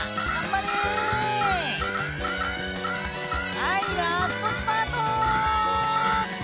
はいラストスパート！